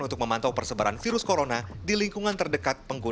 untuk memantau persebaran virus corona di lingkungan terdekat pengguna